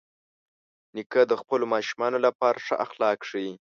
نیکه د خپلو ماشومانو لپاره ښه اخلاق ښيي.